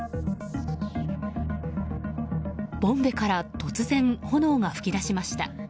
ボンベから突然炎が噴き出しました。